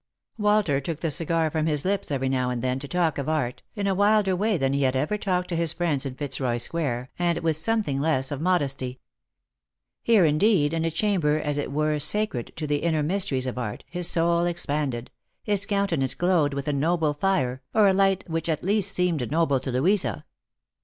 Walter took the cigar from his lips every now and then to talk of art, in a wilder way than he had ever talked to his friends in Fitzroy square, and with something less of modesty. Here indeed, in a chamber as it were sacred to the inner mysteries of art, his soul expanded, his countenance glowed with a noble fire, or a light which at least seemed noble to Louisa.